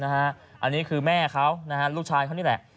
ลูกชายของเขาเองอันนี้คือแม่เขาลูกชายเขานี่แหละ